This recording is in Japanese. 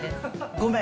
ごめん